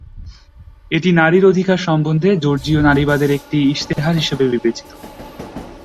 এটি নারীর অধিকার সম্বন্ধে, জর্জীয় নারীবাদের একটি ইশতেহার হিসেবে বিবেচিত।